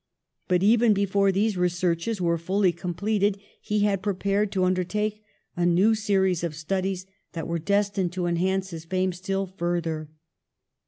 But even before these researches were fully completed he had prepared to undertake a new series of studies that were destined to enhance his fame still further.